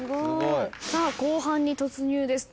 さあ後半に突入です。